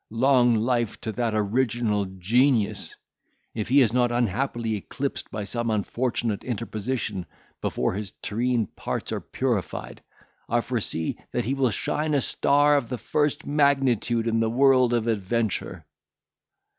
Long life to that original genius! If he is not unhappily eclipsed by some unfortunate interposition, before his terrene parts are purified, I foresee that he will shine a star of the first magnitude in the world of adventure."